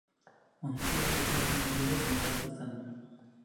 Ontzia sute baten ondorioz hondoratu zen.